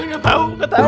ini ga tau ga tau